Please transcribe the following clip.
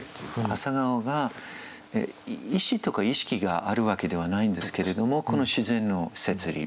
朝顔が意思とか意識があるわけではないんですけれどもこの自然の摂理。